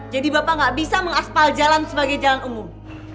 jadi bapak gak bisa mengaspal jalan sebagai jalan umum